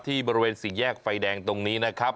บริเวณสี่แยกไฟแดงตรงนี้นะครับ